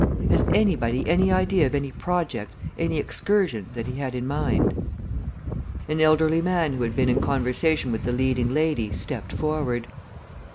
Has anybody any idea of any project, any excursion, that he had in mind?" An elderly man who had been in conversation with the leading lady stepped forward.